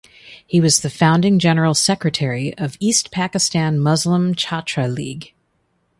He was the founding general secretary of East Pakistan Muslim Chhatra League.